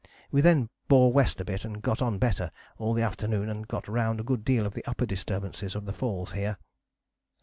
We then bore west a bit and got on better all the afternoon and got round a good deal of the upper disturbances of the falls here."